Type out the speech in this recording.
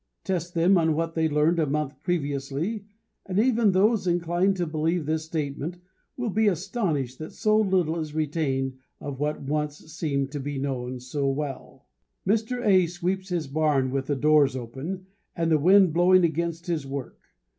Test them on what they learned a month previously and even those inclined to believe this statement will be astonished that so little is retained of what once seemed to be known so well. Mr. A sweeps his barn with the doors open and the wind blowing against his work.